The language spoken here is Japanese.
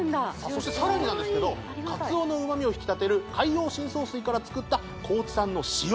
そしてさらになんですけど鰹のうま味を引き立てる海洋深層水から作った高知産の塩